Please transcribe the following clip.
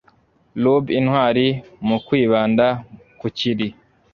rube intwari mu kwibanda ku kiri